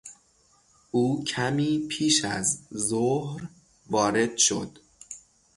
او کمی پیش از ظهر وارد شد.